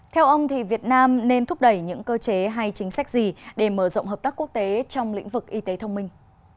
theo ông thì việt nam nên thúc đẩy những cơ chế hay chính sách gì để mở rộng hợp tác quốc tế trong lĩnh vực y tế thông minh